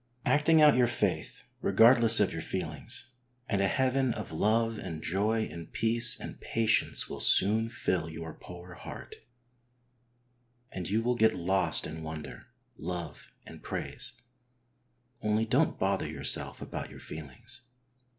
Acting out your fahh regardless of your feelings, and a heaven of love and joy and peace and patience will soon fill your poor heart, and you will get " lost in wonder, love and praise," only don't bother yourself about your feelings.